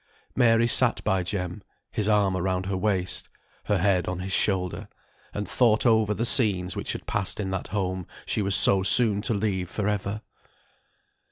Mary sat by Jem, his arm round her waist, her head on his shoulder; and thought over the scenes which had passed in that home she was so soon to leave for ever.